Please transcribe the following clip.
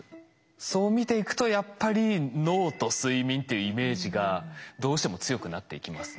そう見ていくとやっぱり脳と睡眠っていうイメージがどうしても強くなっていきますね。